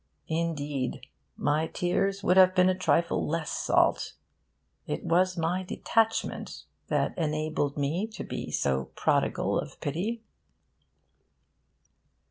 Indeed, my tears would have been a trifle less salt. It was my detachment that enabled me to be so prodigal of pity.